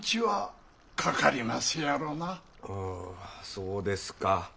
そうですか。